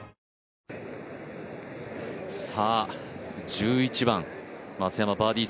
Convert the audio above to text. １１番、松山バーディー